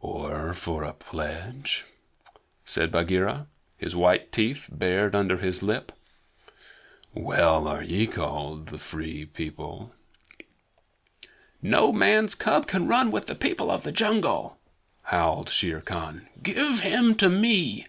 "Or for a pledge?" said Bagheera, his white teeth bared under his lip. "Well are ye called the Free People!" "No man's cub can run with the people of the jungle," howled Shere Khan. "Give him to me!"